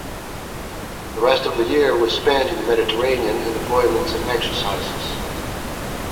The rest of the year was spent in the Mediterranean, in deployments and exercises.